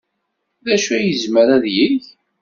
D acu ay yezmer ad yeg?